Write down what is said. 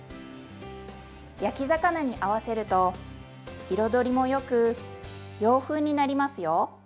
焼き魚に合わせると彩りもよく洋風になりますよ。